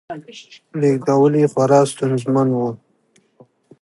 لېږدول یې خورا ستونزمن و